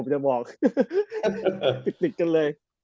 ใช่ติดกันเลย